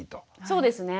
そうですね。